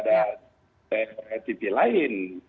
dari tv lain